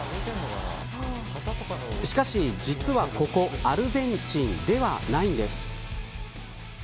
しかし、実はここアルゼンチンではないんです。